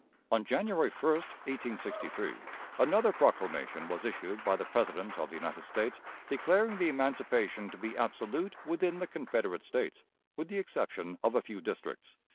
On January 1, 1863, another proclamation was issued by the President of the United States declaring the emancipation to be absolute within the Confederate States, with the exception of a few districts.